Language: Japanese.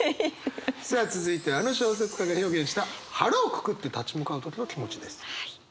さあ続いてはあの小説家が表現した腹をくくって立ち向かう時の気持ちです。